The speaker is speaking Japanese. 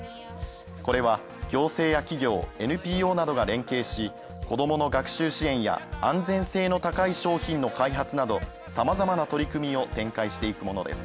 これは行政や企業、ＮＰＯなどが連携し、子供の学習支援や、安全性の高い商品の開発など様々な取り組みを展開していくものです。